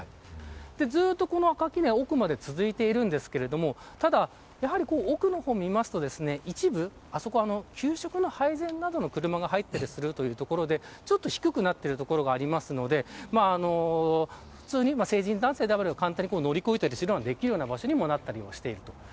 ずっと垣根は奥まで続いているんですが奥を見ますと、一部給食の配膳などの車が入ったりするということでちょっと低くなっている所がありますので成人男性なら簡単に乗り越えたりすることができる場所になったりしています。